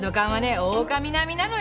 オオカミ並みなのよ。